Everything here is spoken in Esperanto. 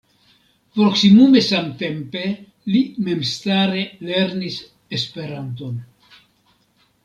Proksimume samtempe li memstare lernis Esperanton.